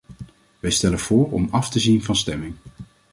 Wij stellen voor om af te zien van stemming.